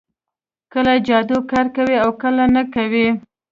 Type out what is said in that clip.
کله جادو کار کوي او کله نه کوي